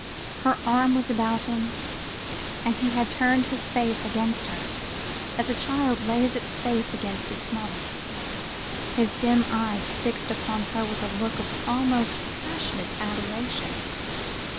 Her arm was about him, and he had turned his face against her, as a child lays its face against its mother, his dim eyes fixed upon her with a look of almost passionate adoration.